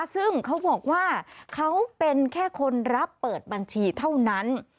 ซึ่งเขาบอกว่าเขาเป็นแค่คนรับเปิดบัญชีเท่านั้น